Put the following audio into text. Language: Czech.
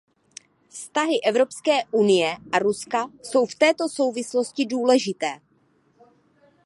Vztahy Evropské unie a Ruska jsou v této souvislosti důležité.